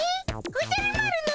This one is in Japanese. おじゃる丸の虫